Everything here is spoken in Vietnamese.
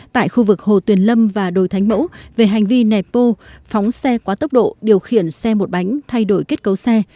tại khu vực hồ tuyền lâm và đồi thánh mẫu về hành vi nẹp bô phóng xe quá tốc độ điều khiển xe một bánh thay đổi kết cấu xe